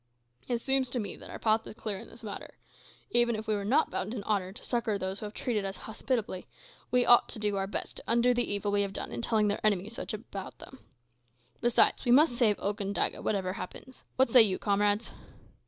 It seems to me that our path is clear in this matter. Even if we were not bound in honour to succour those who have treated us hospitably, we ought to do our best to undo the evil we have done in telling their enemies so much about them. Besides, we must save Okandaga, whatever happens. What say you, comrades?"